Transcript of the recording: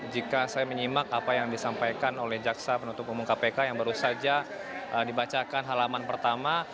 jika saya menyimak apa yang disampaikan oleh jaksa penutup umum kpk yang baru saja dibacakan halaman pertama